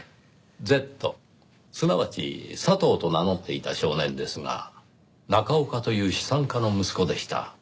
Ｚすなわち佐藤と名乗っていた少年ですが中岡という資産家の息子でした。